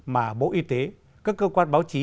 mà bộ y tế các cơ quan báo chí